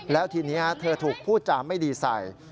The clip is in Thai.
แล้วทีนี้เธอถูกพูดจาไม่ดีใส่